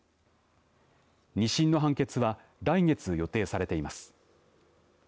２審の判決は来月予定されています。